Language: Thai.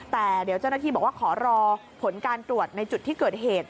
แต่เดี๋ยวเจ้าหน้าที่บอกว่าขอรอผลการตรวจในจุดที่เกิดเหตุ